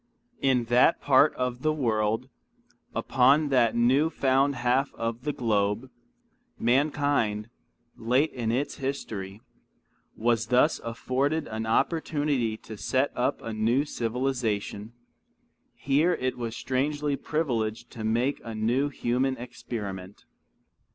In that part of the world, upon that new found half of the globe, mankind, late in its history, was thus afforded an opportunity to set up a new civilization; here it was strangely privileged to make a new human experiment.